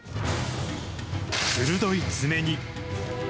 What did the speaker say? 鋭い爪に。